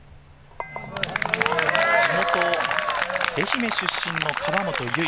地元・愛媛出身の河本結。